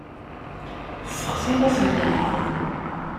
Tessexsim aselkim.